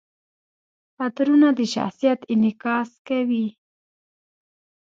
عطرونه د شخصیت انعکاس کوي.